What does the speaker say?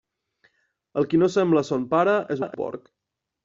El qui no sembla a son pare és un porc.